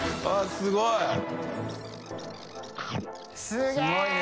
すごいね。